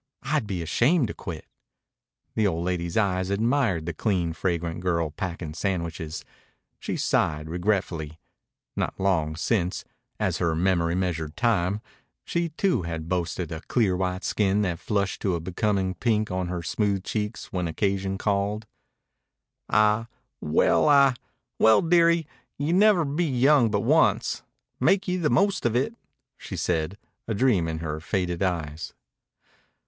I'd be ashamed to quit." The old lady's eyes admired the clean, fragrant girl packing sandwiches. She sighed, regretfully. Not long since as her memory measured time she too had boasted a clear white skin that flushed to a becoming pink on her smooth cheeks when occasion called. "A well a well, dearie, you'll never be young but once. Make ye the most of it," she said, a dream in her faded eyes.